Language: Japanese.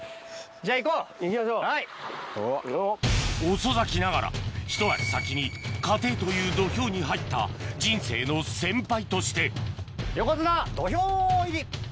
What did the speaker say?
遅咲きながらひと足先に家庭という土俵に入った横綱土俵入り。